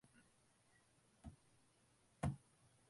கடிவாளம் என்றால் மட்டும் ஐயோ பாவம்!